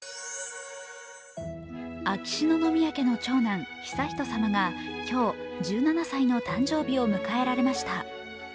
秋篠宮家の長男、悠仁さまが今日、１７歳の誕生日を迎えられました。